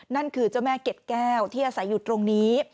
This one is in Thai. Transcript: นั่นคือเจ้าแม่เก็ดแก้วที่อาศัยอยู่ตรงนี้